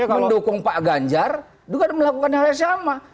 mendukung pak ganjar juga melakukan hal yang sama